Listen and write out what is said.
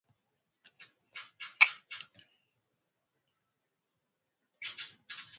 Philiste ni nchi ya Wafilisti Kihistoria waliishi katika nchi iliyoitwa Kanaani